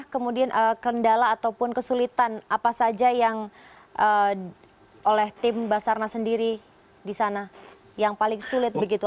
kemudian kendala ataupun kesulitan apa saja yang oleh tim basarna sendiri di sana yang paling sulit begitu